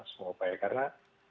semua upaya karena